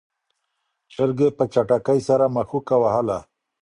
چرګې په چټکۍ سره مښوکه وهله.